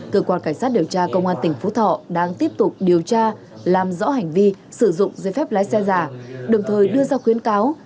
cơ quan cảnh sát điều tra công an tỉnh phú thọ đang tiếp tục điều tra làm rõ hành vi sử dụng dây phép lái xe giả đồng thời đưa ra khuyến cáo